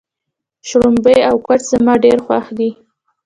شړومبی او کوچ زما ډېر خوښ دي.